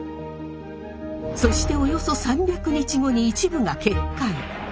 そしておよそ３００日後に一部が決壊。